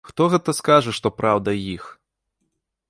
Хто гэта скажа, што праўда іх?